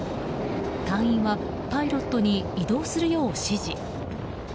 隊員はパイロットに移動するよう指示。